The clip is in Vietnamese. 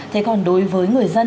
thế còn đối với người dân